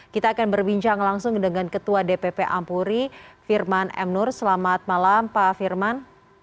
kita akan berbincang langsung dengan ketua dpp ampuri firman m nur selamat malam pak firman